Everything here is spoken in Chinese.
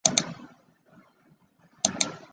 还曾面对红袜时击出满贯炮。